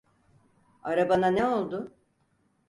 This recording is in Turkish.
Arabana ne oldu?